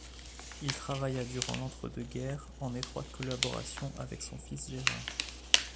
Il travailla durant l'entre-deux-guerres en étroite collaboration avec son fils Gérard.